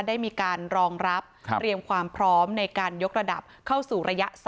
ได้มีการรองรับเตรียมความพร้อมในการยกระดับเข้าสู่ระยะ๒